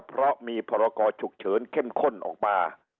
เพราะมีพรกรฉุกเฉินเข้มข้นออกมา